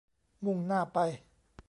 มุ่งหน้าไป